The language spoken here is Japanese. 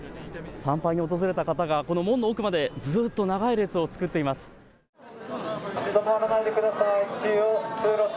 参拝に訪れた方がこの門の奥までずっと長い列を作っています。